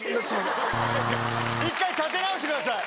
一回立て直してください。